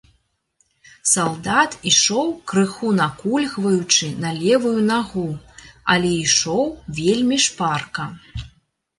Салдат ішоў крыху накульгваючы на левую нагу, але ішоў вельмі шпарка.